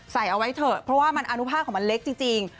ใส่เอาไว้เถอะเพราะว่ามันอนุภาคของมันเล็กจริง